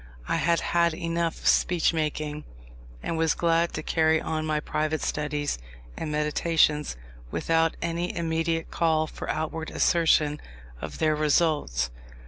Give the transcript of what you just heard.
I had had enough of speech making, and was glad to carry on my private studies and meditations without any immediate call for outward assertion of their results.